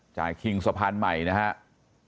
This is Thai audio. คิงสะพานใหม่นะครับ